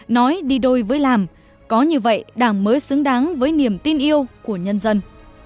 nói đi đôi với làm có như vậy đảng mới xứng đáng với niềm tin yêu của nhân dân